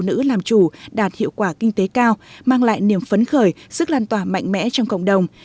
nữ làm chủ đạt hiệu quả kinh tế cao mang lại niềm phấn khởi sức lan tỏa mạnh mẽ trong cộng đồng